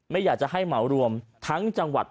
ไม่อยากจะให้เหมารวมทั้งจังหวัด